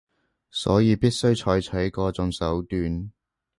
所以必須採取嗰種手段